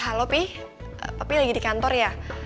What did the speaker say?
halo pi papi lagi di kantor ya